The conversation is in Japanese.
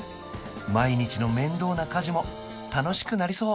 毎日の面倒な家事も楽しくなりそう